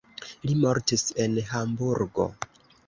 Li mortis en Hamburgo.